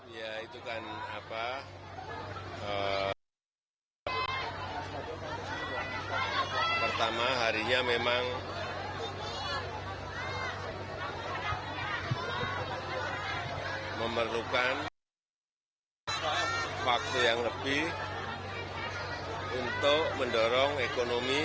yang itu kan apa pertama harinya memang memerlukan waktu yang lebih untuk mendorong ekonomi